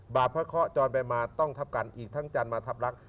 บาปพระเคาะจรไปมาต้องทับกันอีกทั้งจันทร์มาทับลักษณ